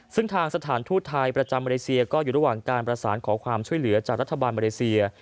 ซึ่งทางสถานทูตไทยประจำมาเลเซียก็อยู่ระหว่างการประสานขอความช่วยเหลือจากรัฐบาลมาเลเซีย